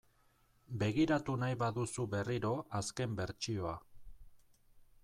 Begiratu nahi baduzu berriro azken bertsioa .